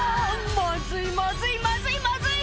まずいまずいまずいまずい！